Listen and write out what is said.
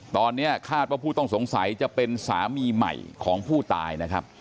ตอนนี้คาดว่าผู้ต้องสงสัยจะเป็นสามีใหม่ของผู้ตายนะครับ